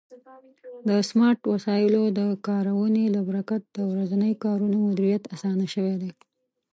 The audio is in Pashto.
د سمارټ وسایلو د کارونې له برکت د ورځني کارونو مدیریت آسانه شوی دی.